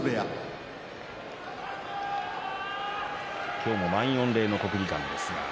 今日も満員御礼の国技館です。